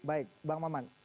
baik mbak maman